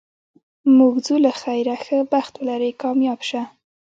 موږ ځو له خیره، ښه بخت ولرې، کامیاب شه.